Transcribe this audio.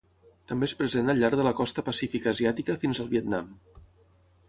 També és present al llarg de la costa pacífica asiàtica fins al Vietnam.